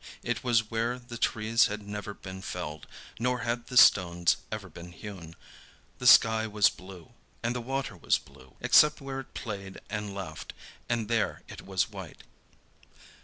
It was where the trees had never been felled, nor had the stones ever been hewn. The sky was blue, and the water was blue, except where it played and laughed, and there it was white.